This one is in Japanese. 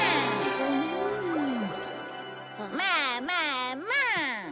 まあまあまあ。